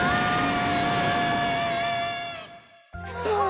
さあ